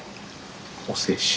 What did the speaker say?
おせし。